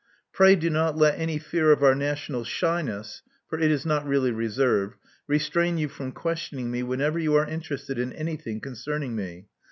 '*Pray do not let any fear of our national shyness — for it is not really reserve — ^restrain you from questioning me whenever you are interested in anything concerning me.